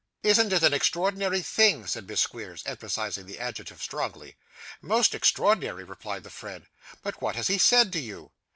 'Isn't it an extraordinary thing?' said Miss Squeers, emphasising the adjective strongly. 'Most extraordinary,' replied the friend. 'But what has he said to you?